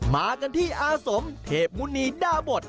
มากันที่อาสมเทพมุณีดาบท